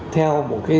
theo một cái